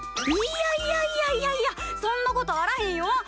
いやいやいやいやいやそんなことあらへんよ。